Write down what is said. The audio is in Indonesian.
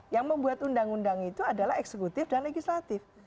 yang membuat undang undang itu adalah eksekutif dan legislatif